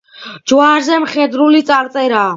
ჯვარზე მხედრული წარწერაა.